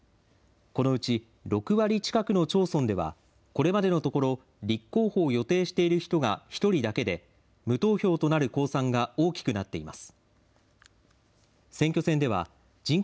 このうち６割近くの町村では、これまでのところ、立候補を予定している人が１人だけで、無投票となる公算が大きくなっています。